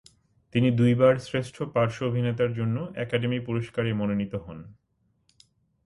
তিনি দুইবার শ্রেষ্ঠ পার্শ্ব অভিনেতার জন্য একাডেমি পুরস্কারে মনোনীত হন।